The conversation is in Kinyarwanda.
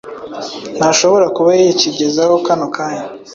ntashobora kuba yakigezeho kano kanya.” “